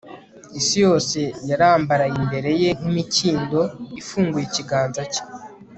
Isi yose yarambaraye imbere ye nkimikindo ifunguye ikiganza cye